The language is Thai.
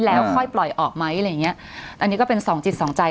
แล้วค่อยปล่อยออกไหมอะไรอย่างเงี้ยอันนี้ก็เป็นสองจิตสองใจ